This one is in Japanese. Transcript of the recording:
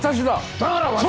だから私が！